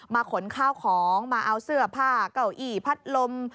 ขนข้าวของมาเอาเสื้อผ้าเก้าอี้พัดลม